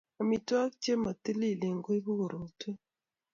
Amitwogik chemo tililen koibu korotwek